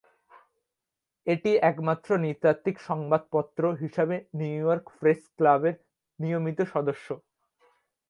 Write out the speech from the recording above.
এটি একমাত্র নৃতাত্ত্বিক সংবাদপত্র হিসাবে নিউইয়র্ক প্রেস ক্লাবের নিয়মিত সদস্য।